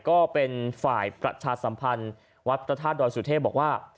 ก็เป็นฝ่ายประชาสัมพันธ์วัดพระธาตุดอยสุเทพบอกว่า